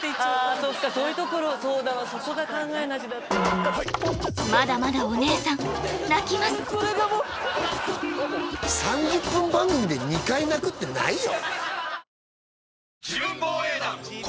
そっかそういうところそうだわそこが考えなしだったわまだまだお姉さん３０分番組で２回泣くってないよ